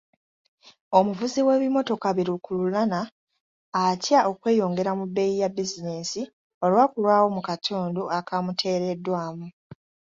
Omuvuzi w'ebimmotoka bi lukululana atya okweyongera mu bbeeyi ya bizinesi olw'okulwawo mu katundu akamuteereddwamu.